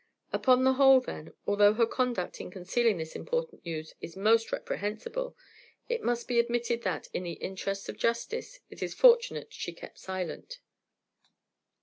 Upon the whole, then, although her conduct in concealing this important news is most reprehensible, it must be admitted that, in the interests of justice, it is fortunate she kept silent."